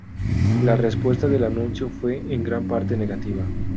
La respuesta del anuncio fue en gran parte negativa.